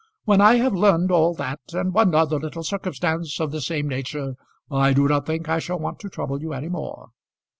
When I have learned all that, and one other little circumstance of the same nature, I do not think I shall want to trouble you any more."